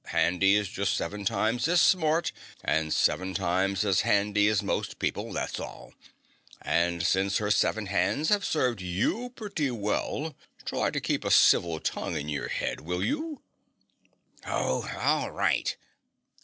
"Handy is just seven times as smart and seven times as handy as most people, that's all. And since her seven hands have served you pretty well, try to keep a civil tongue in your head, will you?" "Oh, all right!"